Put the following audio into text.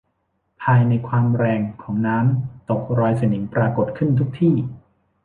ภายในความแรงของน้ำตกรอยสนิมปรากฏขึ้นทุกที่